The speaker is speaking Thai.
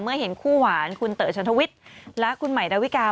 เมื่อเห็นคู่หวานคุณเต๋อชันทวิทย์และคุณใหม่ดาวิกา